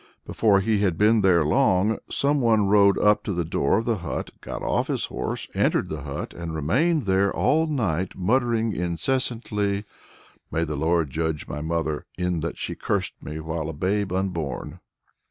Before he had been there long, some one rode up to the door of the hut, got off his horse, entered the hut, and remained there all night, muttering incessantly: "May the Lord judge my mother, in that she cursed me while a babe unborn!"